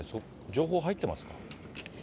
情報入ってますか？